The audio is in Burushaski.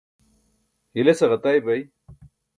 hilese ġatay bay